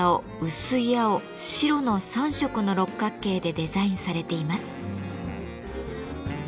「薄い青」「白」の３色の六角形でデザインされています。